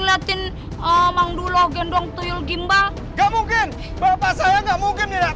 ngeliatin emang dulu gendong tuyul gimba gak mungkin bapak saya enggak mungkin tidak